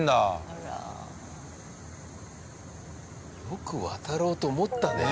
よく渡ろうと思ったね